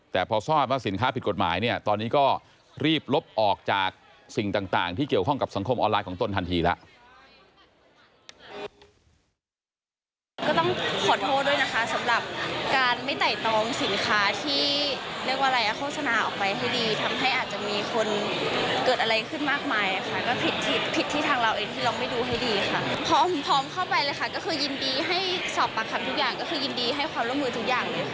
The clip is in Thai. แต่พอทราบว่าสินค้าผิดกฎหมายเนี่ยตอนนี้ก็รีบลบออกจากสิ่งต่างที่เกี่ยวข้องกับสังคมออนไลน์ของตนทันทีแล้ว